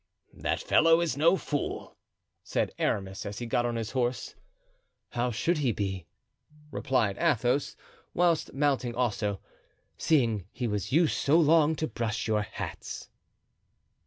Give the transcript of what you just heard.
"That fellow is no fool," said Aramis, as he got on his horse. "How should he be?" replied Athos, whilst mounting also, "seeing he was used so long to brush your hats."